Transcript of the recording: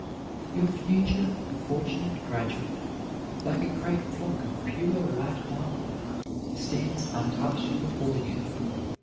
Your future, fortunate graduate, like a great block of pure white marble, stands untouched before you.